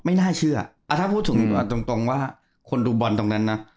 ไม่น่าเชื่อถ้าพูดถึงตรงว่าคนดูบอลตรงนั้นนะ